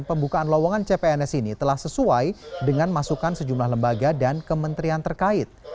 pembukaan lowongan cpns ini telah sesuai dengan masukan sejumlah lembaga dan kementerian terkait